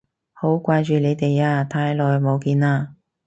好掛住你哋啊，太耐冇見喇